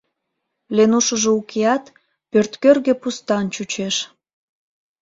Ленушыжо укеат, пӧрткӧргӧ пустан чучеш.